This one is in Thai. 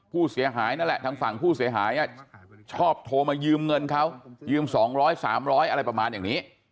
ผู้เสียหายนั่นแหละทางฝั่งผู้เสียหายชอบโทรมายืมเงินเขายืม๒๐๐๓๐๐อะไรประมาณอย่างนี้